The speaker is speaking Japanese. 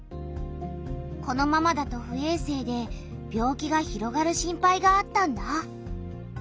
このままだと不衛生で病気が広がる心配があったんだ。